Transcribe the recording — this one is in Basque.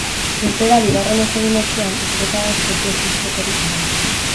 Irteera bigarrenez egin ostean, estropadak ez du ezustekorik eman.